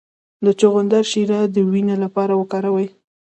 د چغندر شیره د وینې لپاره وکاروئ